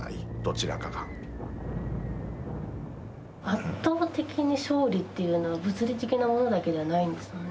圧倒的に勝利というのは物理的なものだけではないんですもんね。